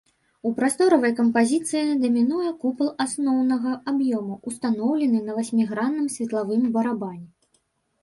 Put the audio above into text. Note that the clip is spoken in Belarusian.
У прасторавай кампазіцыі дамінуе купал асноўнага аб'ёму, устаноўлены на васьмігранным светлавым барабане.